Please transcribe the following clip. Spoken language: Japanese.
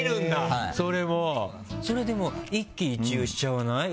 それでも一喜一憂しちゃわない？